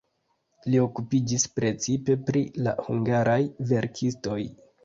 Li okupiĝis precipe pri la hungaraj verkistoj.